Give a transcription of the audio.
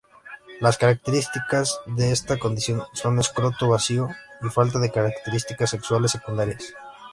Las características de esta condición son escroto vacío y falta de características sexuales secundarias.